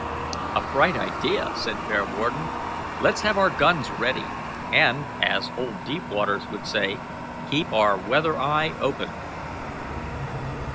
"A bright idea," said Bearwarden. "Let's have our guns ready, and, as old Deepwaters would say, keep our weather eye open."